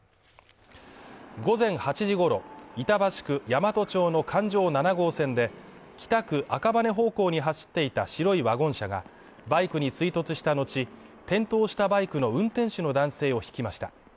午前８時ごろ、板橋区大和町の環状７号線で北区・赤羽方向に走っていた白いワゴン車がバイクに追突した後、転倒したバイクの運転手の男性をひきました。